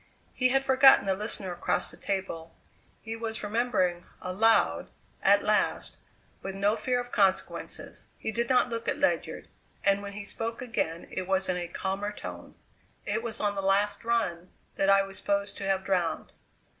He had forgotten the listener across the table; he was remembering aloud at last, with no fear of consequences. He did not look at Ledyard, and when he spoke again it was in a calmer tone. "It was on the last run that I was supposed to have drowned.